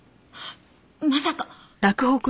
まさか！